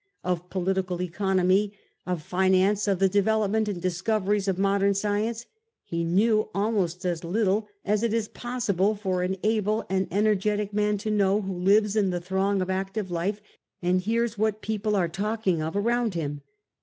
Of political economy, of finance, of the development and the discoveries of modem science, he knew almost as little as it is pos sible for an able and energetic man to know who lives in the throng of active life and hears what people are talking of around him.